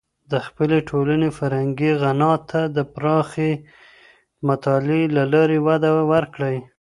د خپلي ټولني فرهنګي غنا ته د پراخې مطالعې له لاري وده ورکړئ.